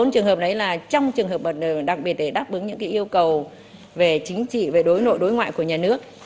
bốn trường hợp đấy là trong trường hợp đặc biệt để đáp ứng những yêu cầu về chính trị về đối nội đối ngoại của nhà nước